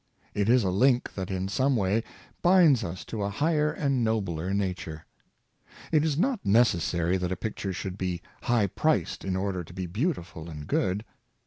It is a link that in some way binds us to a higher and nobler nature. It is not necessary that a picture should be high Art at Home, 35 priced in order to be beautiful and good.